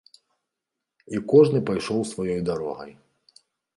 І кожны пайшоў сваёй дарогай.